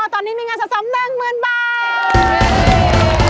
ตอนนี้มีเงินสะสม๑๐๐๐บาท